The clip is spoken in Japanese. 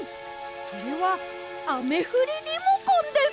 それはあめふりリモコンです！